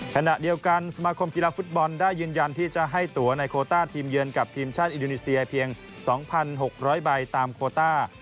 ขณะเดียวกันสมาคมกีฬาฟุตบอลได้ยืนยันที่จะให้ตัวในโคต้าทีมเยือนกับทีมชาติอินโดนีเซียเพียง๒๖๐๐ใบตามโคต้า